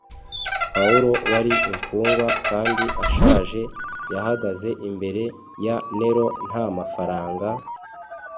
Pawulo wari imfungwa kandi ashaje yahagaze imbere ya Nero nta mafaranga,